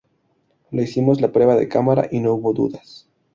Le hicimos la prueba de cámara y no hubo dudas".